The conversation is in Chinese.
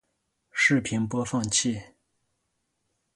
视频播放器